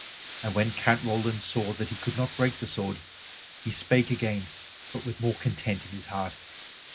And when Count Roland saw that he could not break the sword, he spake again but with more content in his heart.